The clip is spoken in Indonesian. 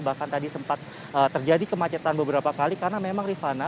bahkan tadi sempat terjadi kemacetan beberapa kali karena memang rifana